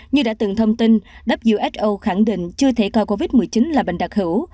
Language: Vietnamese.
như đã từng thông tin wso khẳng định chưa thể coi covid một mươi chín là bệnh đặc hữu